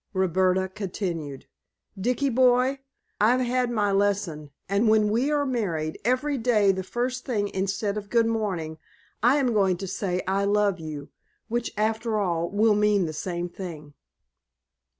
Roberta continued: "Dicky boy, I've had my lesson, and when we are married, every day the first thing, instead of good morning, I am going to say I love you, which, after all, will mean the same thing."